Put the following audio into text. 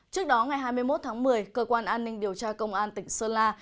trước đó ngày hai mươi một tháng một mươi cơ quan an ninh điều tra công an tỉnh sơn la